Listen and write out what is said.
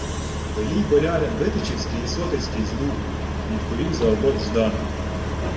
— Велій болярин витичівський і сотецький з Лугу, — відповів за обох Ждан.